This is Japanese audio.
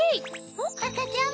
おっ⁉あかちゃん